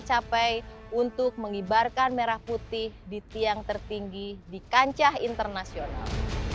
capai untuk mengibarkan merah putih di tiang tertinggi di kancah internasional